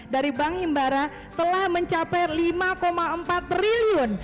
dari bank himbara telah mencapai lima empat triliun